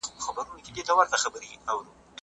کینز پر دولتي مصرف ټینګار کاوه.